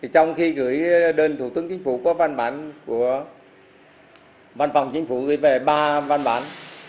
trong khi gửi đơn thủ tướng chính phủ có văn bản của văn phòng chính phủ gửi về ba văn bản